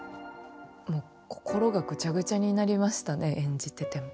もう心がぐちゃぐちゃになりましたね、演じていても。